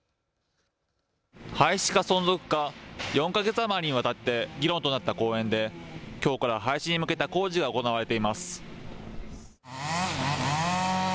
廃止か存続か、４か月余りにわたって議論となった公園できょうから廃止に向けた工事が行われています。